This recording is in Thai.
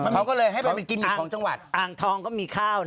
เขาก็เลยให้ไปกินอีกของจังหวัดอ่างทองก็มีข้าว